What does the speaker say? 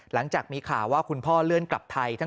หลังจากมีข่าวว่าคุณพ่อเลื่อนกลับไทย